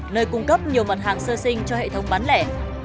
nơi cung cấp nhiều mặt hàng sơ sinh cho hệ thống bán lẻ